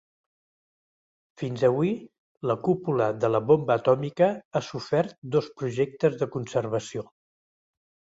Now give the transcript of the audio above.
Fins avui, la Cúpula de la bomba atòmica ha sofert dos projectes de conservació.